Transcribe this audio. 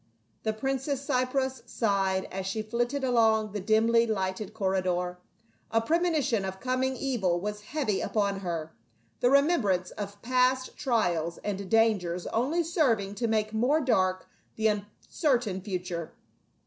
The Princess Cypros sighed as she flitted along the dimly lighted corridor. A premonition of coming evil was heavy upon her, the remembrance of past trials and dangers only serving to make more dark the un certain future.